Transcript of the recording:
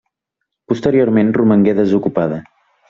Posteriorment romangué desocupada.